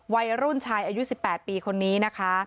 วัยรุ่นชายอายุ๑๘ปีคนนี้นะคะ